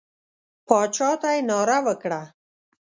باچا ته یې ناره وکړه.